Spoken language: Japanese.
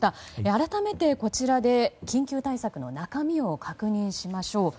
改めてこちらで緊急対策の中身を確認しましょう。